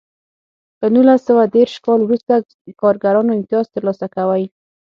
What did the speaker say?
له نولس سوه دېرش کال وروسته کارګرانو امتیاز ترلاسه کوی.